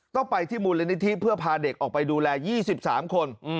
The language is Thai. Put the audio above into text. ต้องไปที่มูลนิธิเพื่อพาเด็กออกไปดูแล๒๓คน